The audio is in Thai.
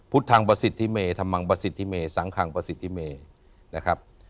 ทางประสิทธิเมธรรมังประสิทธิเมสังคังประสิทธิเมนะครับ